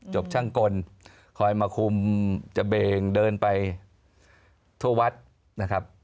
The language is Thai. ช่างกลคอยมาคุมจะเบงเดินไปทั่ววัดนะครับ